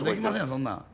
そんなん。